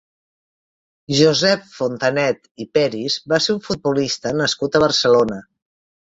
Josep Fontanet i Peris va ser un futbolista nascut a Barcelona.